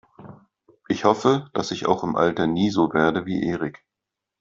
Ich hoffe, dass ich auch im Alter nie so werde wie Erik.